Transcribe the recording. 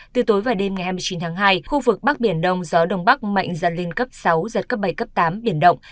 từ tối và đêm ngày hai mươi chín tháng hai khu vực bắc biển đông gió đông bắc mạnh dần lên cấp sáu giật cấp bảy cấp tám biển động